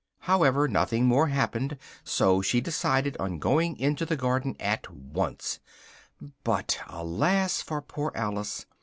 However, nothing more happened so she decided on going into the garden at once, but, alas for poor Alice!